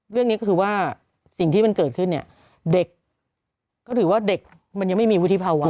เรื่องนี้ก็คือว่าสิ่งที่มันเกิดขึ้นเนี่ยเด็กก็ถือว่าเด็กมันยังไม่มีวุฒิภาวะ